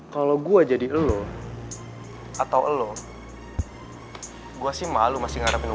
kalau gue jadi lo atau elo gue sih malu masih ngarepin